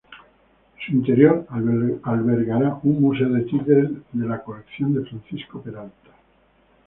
Su interior albergará un museo de títeres de la colección de Francisco Peralta.